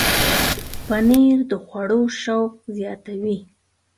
پنېر د خوړو شوق زیاتوي.